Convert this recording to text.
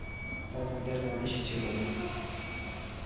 তার মধ্যে নালিশ ছিল না।